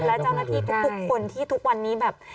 และเจ้าหน้าที่ทุกคนที่ทุกวันนี้แบบ